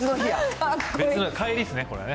帰りですね、これ。